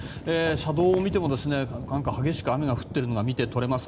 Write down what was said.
車道を見ても激しく雨が降っているのが見て取れます。